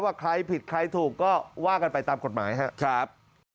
ว่าใครผิดใครถูกก็ว่ากันไปตามกฎหมายครับ